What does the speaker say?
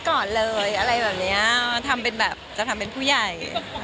เขาทำเป็นแบบจะทำเป็นผู้ใหญ่